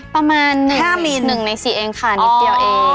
ประมาณ๕๑ใน๔เองค่ะนิดเดียวเอง